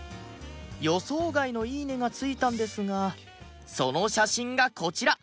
予想外の「いいね」が付いたんですがその写真がこちら